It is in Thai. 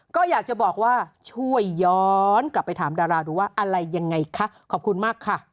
ก็อยากจะบอกว่าช่วยย้อนกลับไปถามดาราดูว่าอะไรยังไงคะขอบคุณมากค่ะ